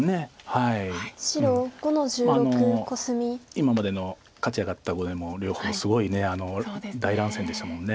今までの勝ち上がった碁でも両方すごい大乱戦でしたもんね。